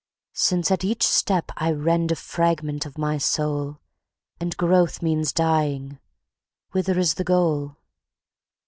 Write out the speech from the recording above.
Since at each step I rend a fragment of my soul, And growth means dying, whither is the goal?